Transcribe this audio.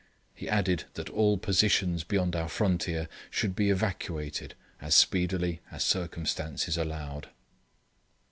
He added that all positions beyond our frontier should be evacuated as speedily as circumstances allowed.